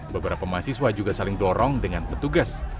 beberapa mahasiswa juga saling dorong dengan petugas